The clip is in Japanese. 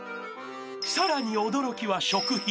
［さらに驚きは食費］